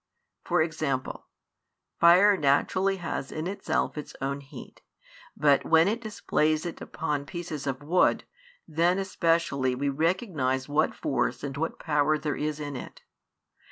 For example, fire naturally has in itself its own heat, but when it displays it upon pieces of wood, then especially we recognise what force and what power there is in it.